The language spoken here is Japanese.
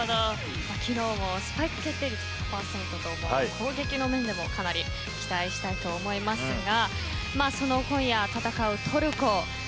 昨日もスパイク決定率１００％と攻撃の面でもかなり期待したいと思いますが今夜戦うトルコ